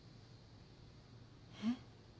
えっ？